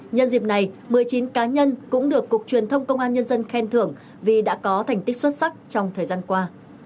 nhân dịp này một mươi chín cá nhân cũng được cục truyền thông công an nhân dân khen thưởng vì đã có thành tích xuất sắc trong thời gian qua